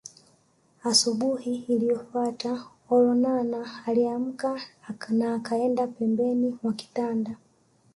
Asubuhi iliyofuata Olonana aliamka na akaenda pembeni mwa kitanda